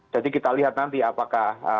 kita lihat nanti apakah